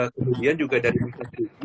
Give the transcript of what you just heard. kemudian juga dari proses uji